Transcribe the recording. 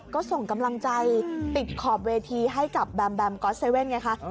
ก็ส่งกำลังใจติดขอบเวทีให้กับแบมแบมก๊อตเซเว่นไงคะ